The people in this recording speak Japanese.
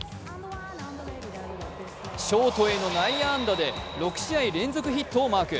ショートへの内野安打で６試合連続ヒットをマーク。